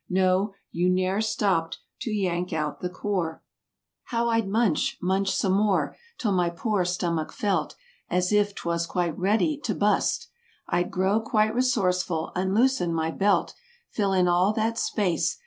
No. You ne'er stopped to yank out the core. 175 How Fd munch! Munch some more—'till my poor stomach felt As if 'twas quite ready to "bust;" Fd grow quite resourceful—unloosen my belt, Fill in all that space.